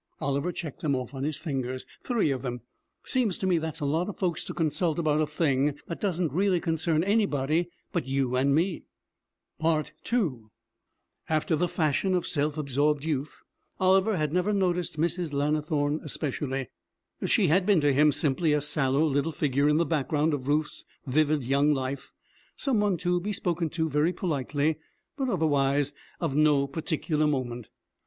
Oliver checked them off on his fingers. 'Three of them. Seems to me that's a lot of folks to consult about a thing that doesn't really concern anybody but you and me!' II After the fashion of self absorbed youth, Oliver had never noticed Mrs. Lannithorne especially. She had been to him simply a sallow little figure in the background of Ruth's vivid young life; someone to be spoken to very politely, but otherwise of no particular moment.